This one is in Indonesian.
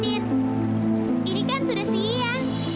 ini kan sudah siang